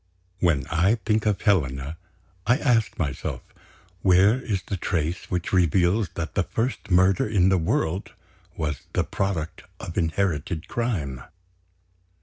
When I think of Helena, I ask myself, where is the trace which reveals that the first murder in the world was the product of inherited crime?